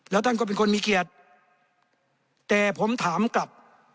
แล้วท่านก็เป็นคนมีเกียรติแต่ผมถามกลับ